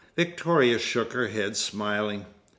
Victoria shook her head, smiling.